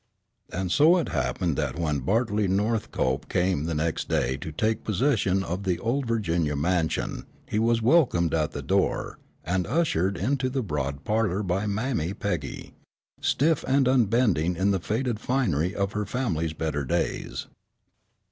And so it happened that when Bartley Northcope came the next day to take possession of the old Virginia mansion he was welcomed at the door, and ushered into the broad parlor by Mammy Peggy, stiff and unbending in the faded finery of her family's better days.